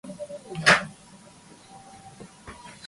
これはどうも尤もだ